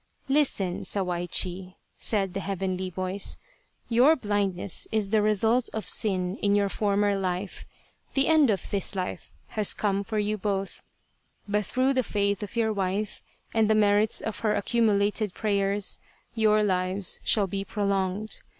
" Listen, Sawaichi !" said the Heavenly Voice, " Your blindness is the result of sin in your former life. The end of this life had come for you both, 173 Tsubosaka but through the faith of your wife and the merits of her accumulated prayers, your lives shall be prolonged.